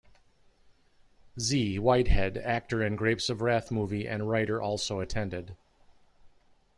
Z. Whitehead, actor in Grapes of Wrath movie and writer also attended.